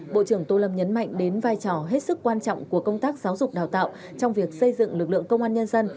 bộ trưởng tô lâm nhấn mạnh đến vai trò hết sức quan trọng của công tác giáo dục đào tạo trong việc xây dựng lực lượng công an nhân dân